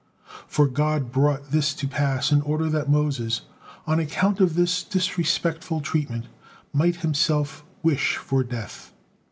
For God brought this to pass in order that Moses, on account of this disrespectful treatment, might himself wish for death.